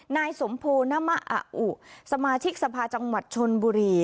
นายสมโพนมะออุสมาชิกสภาจังหวัดชนบุรี